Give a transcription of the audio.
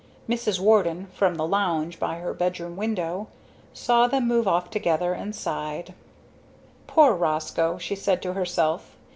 Mrs. Warden, from the lounge by her bedroom window, saw them move off together, and sighed. "Poor Roscoe!" she said to herself.